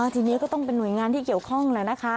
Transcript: ทีนี้ก็ต้องเป็นหน่วยงานที่เกี่ยวข้องแล้วนะคะ